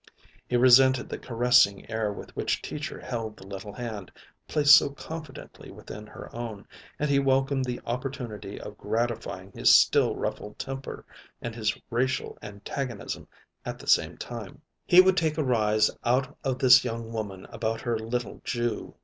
He resented the caressing air with which Teacher held the little hand placed so confidently within her own and he welcomed the opportunity of gratifying his still ruffled temper and his racial antagonism at the same time. He would take a rise out of this young woman about her little Jew.